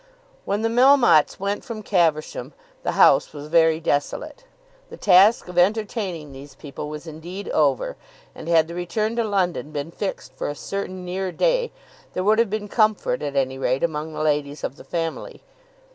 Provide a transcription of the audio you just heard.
When the Melmottes went from Caversham the house was very desolate. The task of entertaining these people was indeed over, and had the return to London been fixed for a certain near day, there would have been comfort at any rate among the ladies of the family.